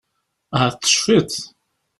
Ahat tecfiḍ.